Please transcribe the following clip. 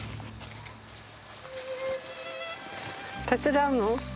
手伝うの？